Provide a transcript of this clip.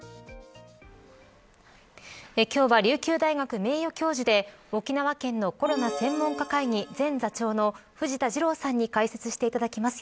今日は琉球大学、名誉教授で沖縄県のコロナ専門家会議前座長の藤田次郎さんに解説していただきます。